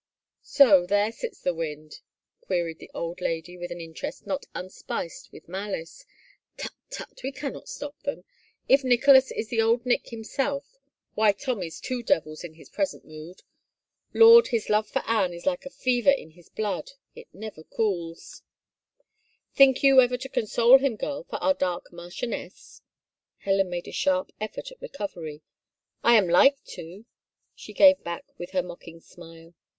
" So there sits the wind ?" queried the old lady with an interest not unspiced with malice. " Tut, tut, we can not stop them. If Nicholas is the old Nick himself, why Tom is two devils in his present mood. Lord, his love for Anne is like a fever in his blood — it never cools. 238 THE MARCHIONESS Think you ever to console him, girl, for our dark marchioness ?" Helen made a sharp effort at recovery. " I am like to," she gave back with her mocking smile.